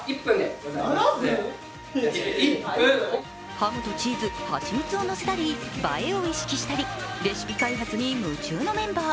ハムとチーズ蜂蜜をのせたり映えを意識したりレシピ開発に夢中のメンバー。